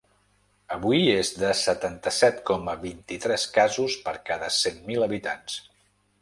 Avui és de setanta-set coma vint-i-tres casos per cada cent mil habitants.